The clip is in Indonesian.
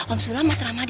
om sulam mas rahmadi